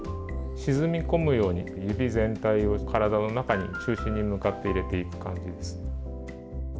沈み込むように指全体を体の中に、中心に向かって入れていく感じです。